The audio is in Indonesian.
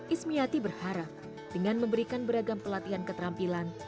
ismiati berharap dengan memberikan beragam pelatihan keterampilan